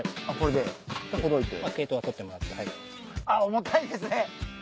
重たいですね